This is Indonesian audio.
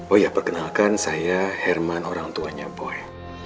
oh ya perkenalkan saya herman orang tuanya boy